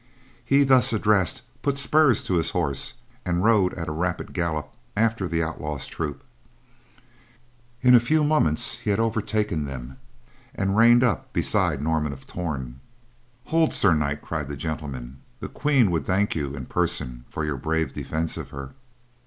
He, thus addressed, put spurs to his horse, and rode at a rapid gallop after the outlaw's troop. In a few moments he had overtaken them and reined up beside Norman of Torn. "Hold, Sir Knight," cried the gentleman, "the Queen would thank you in person for your brave defence of her."